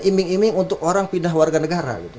iming iming untuk orang pindah warga negara gitu